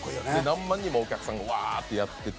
何万人もお客さんがワーッてやってて。